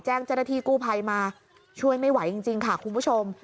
แจ้งเจ้าหน้าที่กู้ภัยมาช่วยไม่ไหวจริงค่ะคุณผู้ชม